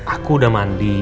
aku udah mandi